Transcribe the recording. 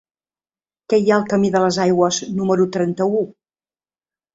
Què hi ha al camí de les Aigües número trenta-u?